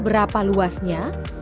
berarti kita dijualnya dengan rekam